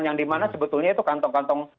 yang dimana sebetulnya itu kantong kantong